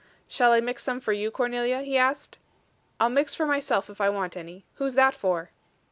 "Shall I mix some for you, Cornelia?" he asked. "I'll mix for myself if I want any. Who's that for?"